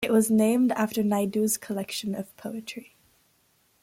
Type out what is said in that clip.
It was named after Naidu's collection of poetry.